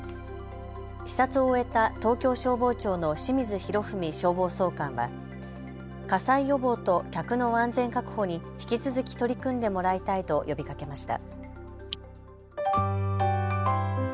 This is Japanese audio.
視察を終えた東京消防庁の清水洋文消防総監は火災予防と客の安全確保に引き続き取り組んでもらいたいと呼びかけました。